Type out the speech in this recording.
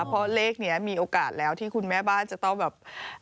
เพราะเลขนี้มีโอกาสแล้วที่คุณแม่บ้านจะต้องแบบ